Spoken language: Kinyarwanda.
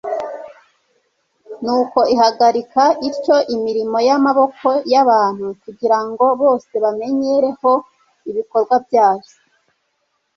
nuko igahagarika ityo imirimo y'amaboko y'abantu, kugira ngo bose bamenyereho ibikorwa byayo